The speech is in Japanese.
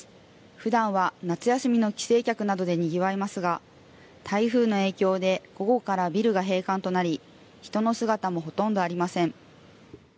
ふだんは夏休みの帰省客などでにぎわいますが台風の影響で午後からビルが閉館となり人の姿もほとんどありません。